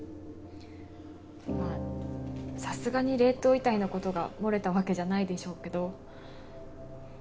まぁさすがに冷凍遺体のことが漏れたわけじゃないでしょうけど。